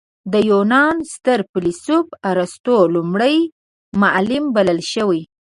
د یونان ستر فیلسوف ارسطو لومړی معلم بلل شوی.